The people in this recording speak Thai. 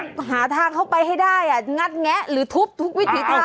มันหาทางเข้าไปให้ได้งัดแงะหรือทุบทุกวิถีทาง